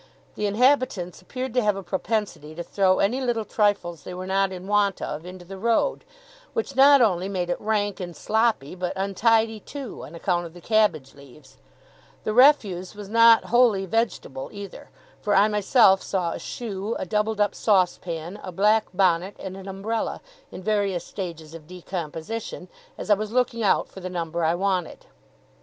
The inhabitants appeared to have a propensity to throw any little trifles they were not in want of, into the road: which not only made it rank and sloppy, but untidy too, on account of the cabbage leaves. The refuse was not wholly vegetable either, for I myself saw a shoe, a doubled up saucepan, a black bonnet, and an umbrella, in various stages of decomposition, as I was looking out for the number I wanted.